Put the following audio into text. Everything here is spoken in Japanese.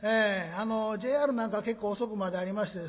ＪＲなんかは結構遅くまでありましてですね